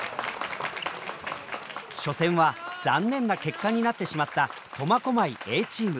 初戦は残念な結果になってしまった苫小牧Ａチーム。